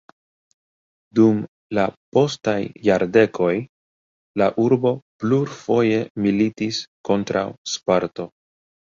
Dum la postaj jardekoj la urbo plurfoje militis kontraŭ Sparto.